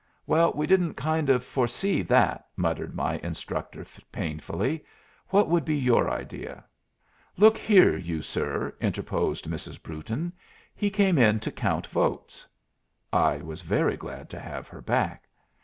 "Well, we didn't kind of foresee that," muttered my instructor, painfully; "what would be your idea?" "Look here, you sir," interposed Mrs. Brewton, "he came in to count votes." I was very glad to have her back.